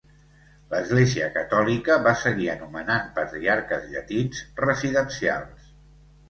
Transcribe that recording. L"església catòlica va seguir anomenant patriarques llatins residencials.